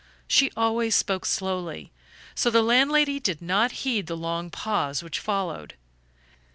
She always spoke slowly, so the landlady did not heed the long pause which followed.